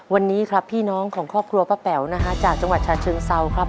วันนี้ครับพี่น้องของครอบครัวป้าแป๋วนะฮะจากจังหวัดชาเชิงเซาครับ